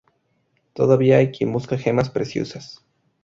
Todavía hay quien busca gemas preciosas.